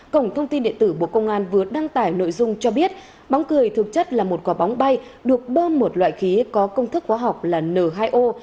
cổng thông tin điện tử bộ công an vừa đăng tải nội dung cho biết bóng cười thực chất là một quả bóng bay được bơm một loại khí có công thức hóa học là n hai o